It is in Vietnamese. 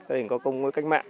gia đình có công ngôi cách mạng